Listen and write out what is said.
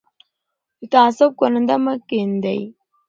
د تعصب کنده مه کیندئ.